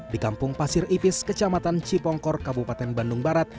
di kampung pasir ipis kecamatan cipongkor kabupaten bandung barat